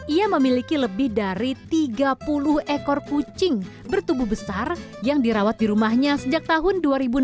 ia memiliki lebih dari tiga puluh ekor kucing bertubuh besar yang dirawat di rumahnya sejak tahun dua ribu enam belas